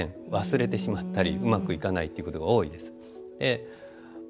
忘れてしまったりうまくいかないっていうことが多いです。